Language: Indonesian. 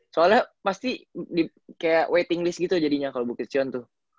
soalnya pasti kayak waiting list gitu jadinya kalau bukit cion tuh